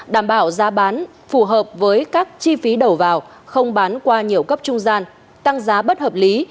đảm bảo giá bán phù hợp với các chi phí đầu vào không bán qua nhiều cấp trung gian tăng giá bất hợp lý